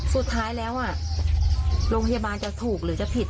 สุดท้ายแล้วโรงพยาบาลจะถูกหรือจะผิด